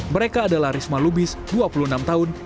mereka adalah risma lubis dua puluh enam tahun